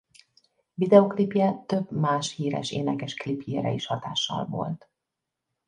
Videóklipje több más híres énekes klipjére is hatással volt.